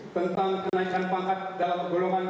tentang kenaikan pangkat dalam golongan